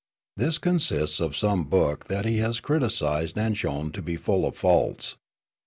This consists of some book that he has criticised and shown to be full of faults.